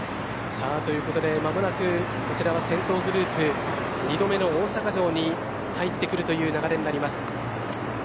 間もなくこちらは先頭グループ二度目の大阪城に入ってくるという流れになります。